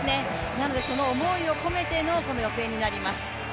なのでその思いを込めての予選になります。